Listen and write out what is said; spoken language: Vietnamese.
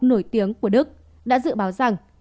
nổi tiếng của đức đã dự báo rằng